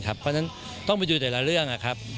เพราะฉะนั้นต้องไปดูแต่ละเรื่องนะครับ